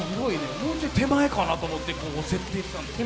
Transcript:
もうちょい手前かと思って設定したんですけど。